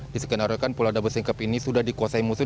disekenarakan pulau dabo singkep ini sudah dikuasai musuh